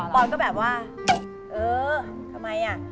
ออนก็แบบว่าเออทำไมอ่ะ